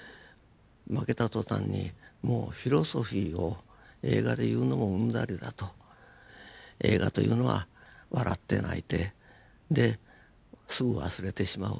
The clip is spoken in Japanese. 負けた途端にもうフィロソフィーを映画で言うのもうんざりだと映画というのは笑って泣いてですぐ忘れてしまう。